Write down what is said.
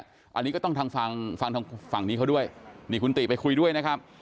อันนี้ก็ต้องทางฟังฟังทางฝั่งนี้เขาด้วยนี่คุณติไปคุยด้วยนะครับ